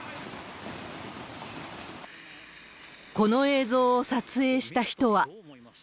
この映像を撮影した人は。